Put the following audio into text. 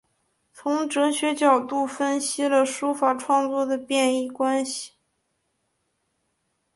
从哲学角度分析了书法创作的变易关系。